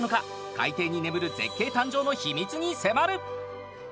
海底に眠る絶景誕生の秘密に迫る。